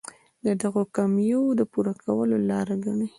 د دغو کمیو د پوره کولو لاره ګڼي.